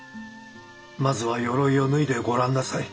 まずはよろいを脱いでごらんなさい。